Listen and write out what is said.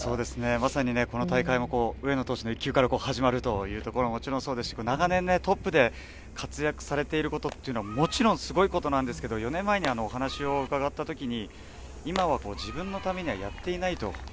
まさに、この大会も上野投手の一球から始まるというところももちろんそうですし長年、トップで活躍されていることは、もちろんすごいことなんですけど４年前にお話を伺った時に今は自分のためにはやっていないと。